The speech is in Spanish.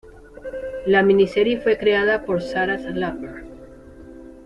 La miniserie fue creada por Sarah Lambert.